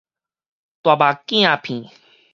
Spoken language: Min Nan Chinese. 大目鏡片